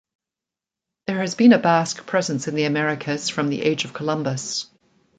There has been a Basque presence in the Americas from the age of Columbus.